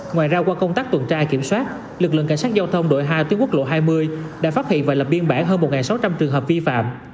ngoài ra qua công tác tuần tra kiểm soát lực lượng cảnh sát giao thông đội hai tuyến quốc lộ hai mươi đã phát hiện và lập biên bản hơn một sáu trăm linh trường hợp vi phạm